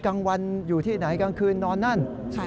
กลางวันอยู่ที่ไหนกลางคืนนอนนั่น